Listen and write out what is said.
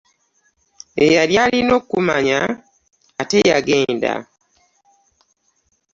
Eyali alina okummanja ate yagenda.